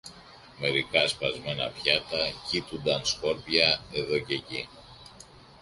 μερικά σπασμένα πιάτα κείτουνταν σκόρπια εδώ κι εκεί